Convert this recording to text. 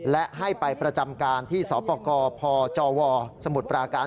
และให้ไปประจำการที่สปกพจวสมุทรปราการ